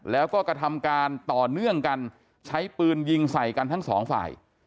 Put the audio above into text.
แล้วก็กระทำการต่อเนื่องกันใช้ปืนยิงใส่กันทั้งสองฝ่าย